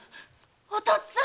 お父っつぁん。